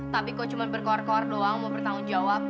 tapi kok cuma berkor kor doang mau bertanggung jawab